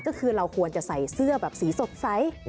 ก็คือเราควรจะใส่เสื้อแบบสีสดใส